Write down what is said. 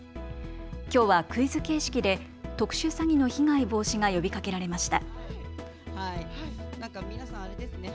きょうはクイズ形式で特殊詐欺の被害防止が呼びかけられました。